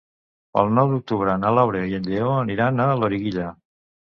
El nou d'octubre na Laura i en Lleó aniran a Loriguilla.